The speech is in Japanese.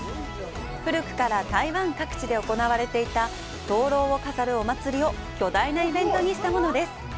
古くから台湾各地で行われていた灯籠を飾るお祭りを巨大なイベントにしたものです。